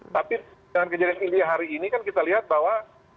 tapi dengan kejadian ini hari ini kan kita lihat bahwa